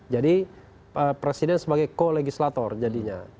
jadi presiden sebagai co legislator jadinya